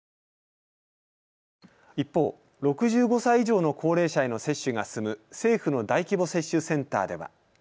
一方、６５歳以上の高齢者への接種が進む政府の大規模接種センターでは。